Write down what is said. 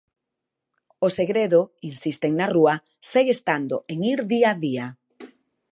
O segredo, insisten na rúa, segue estando en ir día a día.